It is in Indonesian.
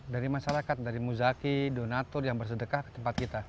dari masyarakat dari muzaki donatur yang bersedekah ke tempat kita